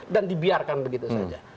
dan dibiarkan begitu saja